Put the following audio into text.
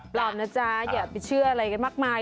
นะจ๊ะอย่าไปเชื่ออะไรกันมากมาย